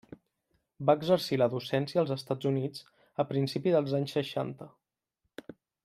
Va exercir la docència als Estats Units a principis dels anys seixanta.